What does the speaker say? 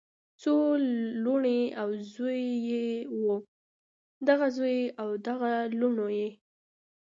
څو لوڼې او زوي یې وو دغه زوي او دغه لوڼو یی